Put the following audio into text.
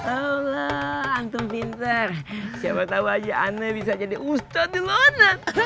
allah antum pintar siapa tahu aja aneh bisa jadi ustadz di london